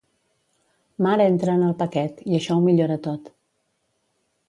Mar entra en el paquet, i això ho millora tot.